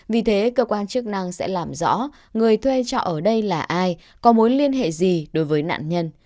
vì thế cơ quan chức năng sẽ làm rõ người thuê trọ ở đây là ai có mối liên hệ gì đối với nạn nhân